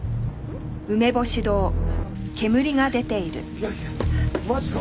いやいやマジか！